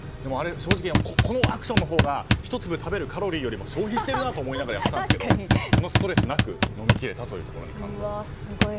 正直、このアクションのほうが１粒食べるカロリーよりも消費しながらやってたんですがそのストレスなく飲み切れたということに感動。